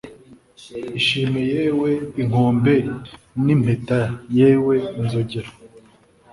Ishime yewe inkombe nimpeta yewe inzogera